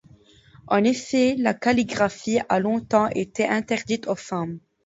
En effet, la calligraphie a longtemps été interdite aux femmes.